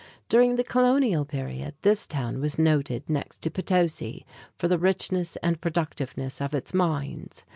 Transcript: During the colonial period this town was noted next to Potosí, for the richness and productiveness of its mines.